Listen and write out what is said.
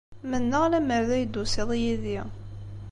Mennaɣ lemmer d ay d-tusiḍ yid-i.